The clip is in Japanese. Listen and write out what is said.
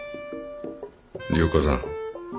隆子さん。